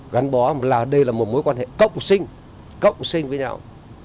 gắn bó là đây là một mối quan hệ cộng sinh cộng sinh với nhau